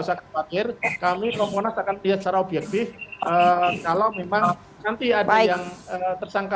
usah khawatir kami komponen akan lihat secara obyekbih kalau memang nanti ada yang tersangka